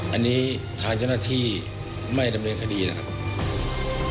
อันนี้ทางเจ้าหน้าที่ไม่ดำเนินคดีนะครับ